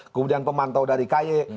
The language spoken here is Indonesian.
kemudian pemantau dari kaye